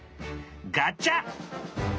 ガチャ！